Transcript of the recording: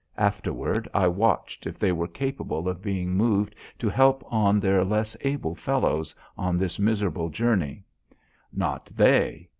Afterward I watched if they were capable of being moved to help on their less able fellows on this miserable journey. Not they!